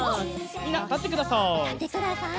みんなたってください。